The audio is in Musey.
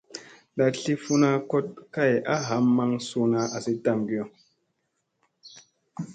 Ndat sli funa kot kay ha maŋ suuna azi tam kiyo.